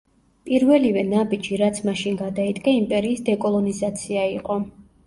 პირველივე ნაბიჯი, რაც მაშინ გადაიდგა, იმპერიის დეკოლონიზაცია იყო.